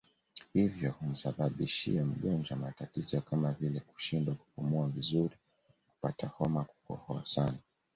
Hivyo humsababishia mgonjwa matatizo kama vile kushindwa kupumua vizuri kupata homa kukohoa sana